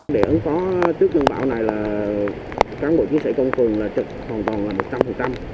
để ứng phó trước cơn bão này là cán bộ chiến sĩ công cường là trực hoàn toàn là một trăm linh